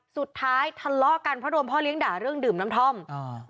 ทะเลาะกันเพราะโดนพ่อเลี้ยงด่าเรื่องดื่มน้ำท่อมอ่า